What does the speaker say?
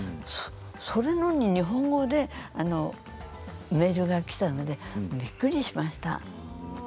それなのに日本語でメールがきたのでびっくりしました。